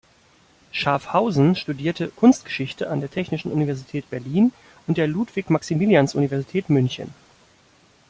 Schafhausen studierte Kunstgeschichte an der Technischen Universität Berlin und der Ludwig-Maximilians-Universität München.